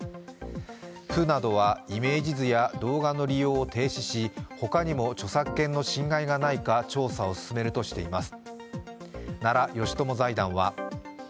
府などはイメージ図や動画の利用を停止し、ほかにも著作権の侵害がないか調査を進めるとしています。